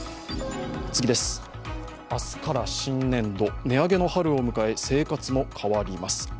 明日から新年度、値上げの春を迎え生活も変わります。